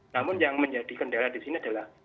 namun yang menjadi kendaraan disini adalah